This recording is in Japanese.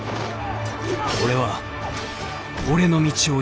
俺は俺の道を行く。